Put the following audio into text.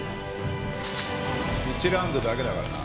１ラウンドだけだからな。